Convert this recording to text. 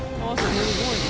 すごいな。